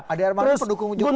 adi armando pendukung jokowi